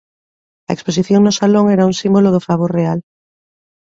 A exposición no Salón era un símbolo do favor real.